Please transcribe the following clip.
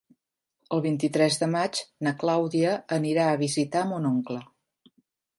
El vint-i-tres de maig na Clàudia anirà a visitar mon oncle.